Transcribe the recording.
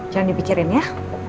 jangan dipikirin ya